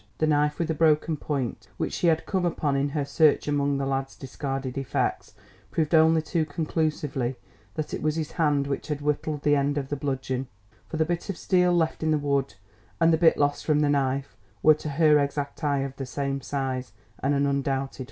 The knife with the broken point, which she had come upon in her search among the lad's discarded effects, proved only too conclusively that it was his hand which had whittled the end of the bludgeon; for the bit of steel left in the wood and the bit lost from the knife were to her exact eye of the same size and an undoubted fit.